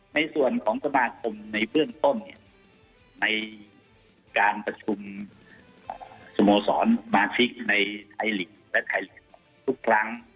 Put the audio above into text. ในส่วนของสมาคมในเบื้องต้นเนี่ยในการประชุมสโมสรมาชิกในไทยลีกและไทยลีกทุกครั้ง